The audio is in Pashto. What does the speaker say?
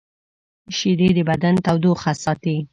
شیدې د بدن تودوخه ساتي